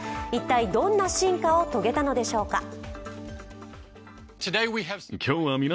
一体どんな進化を遂げたのでしょうか。